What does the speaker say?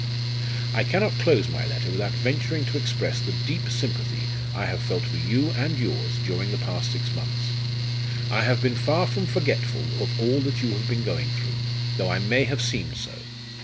"I cannot close my letter without venturing to express the deep sympathy I have felt for you and yours during the past six months. I have been far from forgetful of all that you have been going through, though I may have seemed so.